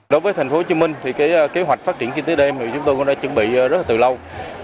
đối với tp hcm thì kế hoạch phát triển kinh tế đêm thì chúng tôi cũng đã chuẩn bị rất là từ lâu